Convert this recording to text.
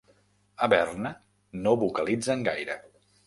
A Berna no vocalitzen gaire.